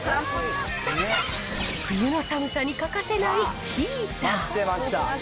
冬の寒さに欠かせないヒーター。